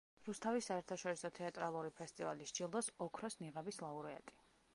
რუსთავის საერთაშორისო თეატრალური ფესტივალის ჯილდოს „ოქროს ნიღაბის“ ლაურეატი.